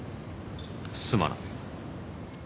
すまない。